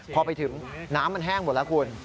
พอไปถึงน้ำมันแห้งหมดแล้วคุณ